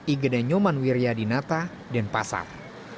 igede nyoman wirja dinata dan pasar